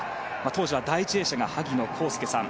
当時は第１泳者が萩野公介さん